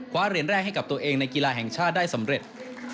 เหรียญแรกให้กับตัวเองในกีฬาแห่งชาติได้สำเร็จ